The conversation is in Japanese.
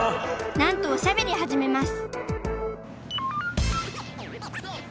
なんとおしゃべりはじめます